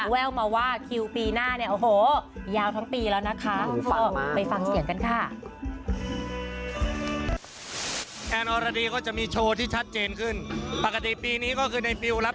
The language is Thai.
แววมาว่าคิวปีหน้าเนี่ยโอ้โหยาวทั้งปีแล้วนะคะไปฟังเสียงกันค่ะ